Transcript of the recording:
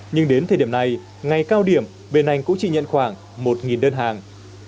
nhưng đến thời điểm này ngày cao điểm bên anh cũng chỉ nhận khoảng một đơn hàng